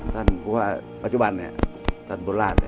ท่านพบลลาทก็ภาวะปัจจุบัน